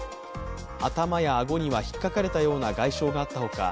頭や顎には、ひっかかれたような外傷があったほか